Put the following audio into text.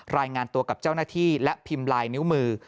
รายงานตัวกับเจ้าหน้าที่และพิมพ์ลายนิ้วมือ